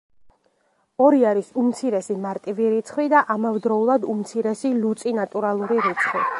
ორი არის უმცირესი მარტივი რიცხვი და ამავდროულად უმცირესი ლუწი ნატურალური რიცხვი.